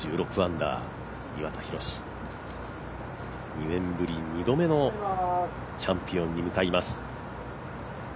２年ぶり２度目のチャンピオンに向かいます。